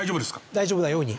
大丈夫なように。